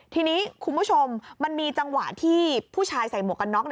ทีนี้คุณผู้ชมมันมีจังหวะที่ผู้ชายใส่หมวกกันน็อก